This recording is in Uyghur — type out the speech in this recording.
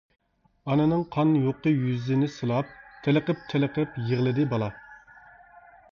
ئانىنىڭ قان يۇقى يۈزىنى سىلاپ، تېلىقىپ-تېلىقىپ يىغلىدى بالا.